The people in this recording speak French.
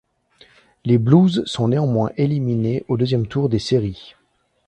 Les Blues sont néanmoins éliminés au deuxième tour des séries.